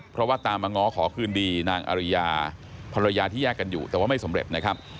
เพราะว่าตามมาง้อขอคืนดีนางอริยาภรรยาที่แยกกันอยู่แต่ว่าไม่สำเร็จนะครับ